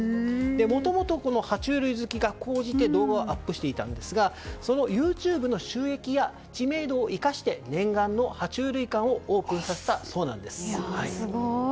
もともと爬虫類好きが高じて動画をアップしていたんですがそのＹｏｕＴｕｂｅの収益や知名度を生かして念願の爬虫類館をすごい。